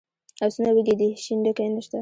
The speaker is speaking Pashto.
آسونه وږي دي شین ډکی نشته.